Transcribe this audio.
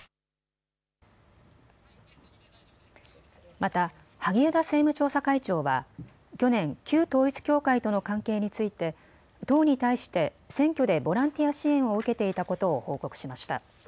また萩生田政務調査会長は去年、旧統一教会との関係について党に対して選挙でボランティア支援を受けていたことを報告しました。